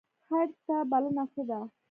خیر ته بلنه څه ده؟